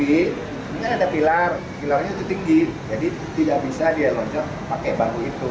ini ada pilar pilarnya itu tinggi jadi tidak bisa dia lonceng pakai bantu itu